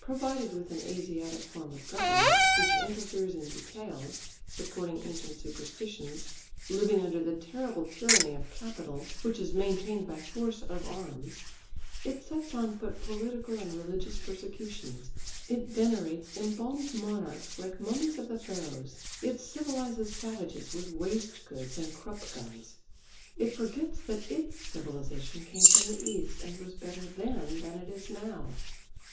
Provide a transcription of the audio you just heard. Provided with an Asiatic form of government, which interferes in details, supporting ancient superstitions, living under the terrible tyranny of capital, which is maintained by force of arms, it sets on foot political and religious persecutions, it venerates embalmed monarchs like mummies of the Pharaohs, it civilises savages with waste goods and Krupp guns; it forgets that its civilisation came from the east, and was better then than it is now.